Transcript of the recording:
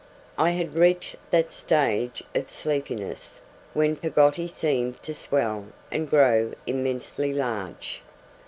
I had reached that stage of sleepiness when Peggotty seemed to swell and grow immensely large.